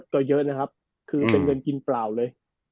ก็เยอะนะครับคือเงินกินปลาวเลย